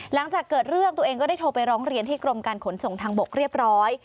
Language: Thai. หลังจากเกิดเรื่องตัวเองก็ได้โทรไปร้องเรียนที่กรมการขนส่งทางบกเรียบร้อย